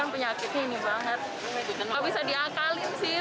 nggak bisa diakalin sih